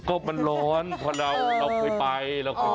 ก็มันร้อนพอเราเคยไป